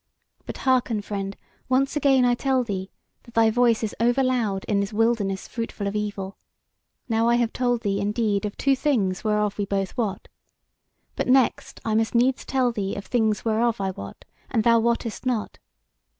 But hearken, friend, once again I tell thee that thy voice is over loud in this wilderness fruitful of evil. Now I have told thee, indeed, of two things whereof we both wot; but next I must needs tell thee of things whereof I wot, and thou wottest not.